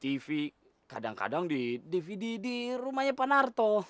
tv kadang kadang di dvd di rumahnya pak narto